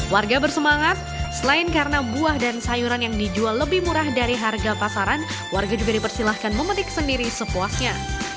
warga bersemangat selain karena buah dan sayuran yang dijual lebih murah dari harga pasaran warga juga dipersilahkan memetik sendiri sepuasnya